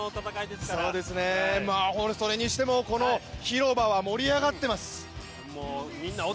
それにしても、広場は盛り上がっています。